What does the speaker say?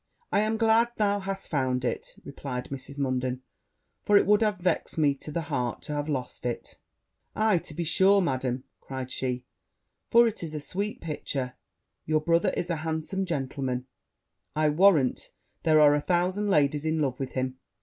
'I am glad thou hast found it,' replied Mrs. Munden; 'for it would have vexed me to the heart to have lost it.' 'Aye, to be sure, Madam!' cried she; 'for it is a sweet picture your brother is a handsome gentleman I warrant there are a thousand ladies in love with him.'